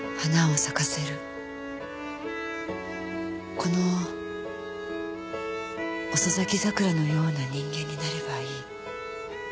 この遅咲き桜のような人間になればいい。